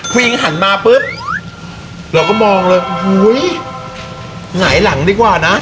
ผู้หญิงหันมาปึ๊บเราก็มองเลยน้ำหายหลังดีกว่านะ